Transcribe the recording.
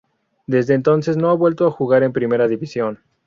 Desde entonces no ha vuelto a jugar en Primera División.